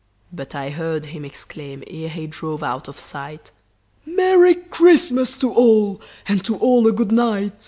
But I heard him exclaim, ere they drove out of sight, "Happy Christmas to all, and to all a goodnight!"